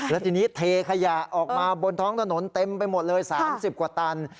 แล้วทีนี้เทขยะออกมาบนท้องถนนเต็มไปหมดเลย๓๐กว่าตัน